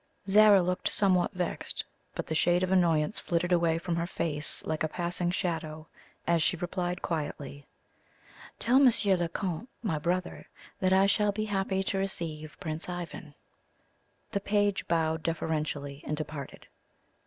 Zara looked somewhat vexed; but the shade of annoyance flitted away from her fair face like a passing shadow, as she replied quietly: "Tell Monsieur le Comte, my brother, that I shall be happy to receive Prince Ivan." The page bowed deferentially and departed.